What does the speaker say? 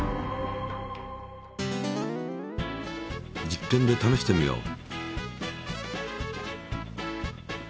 実験でためしてみよう。